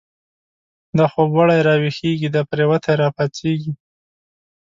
دا خوب و ړی را ویښیږی، دا پریوتی را پاڅیږی